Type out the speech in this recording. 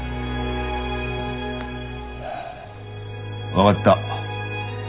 分がった。